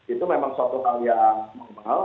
itu memang suatu hal yang normal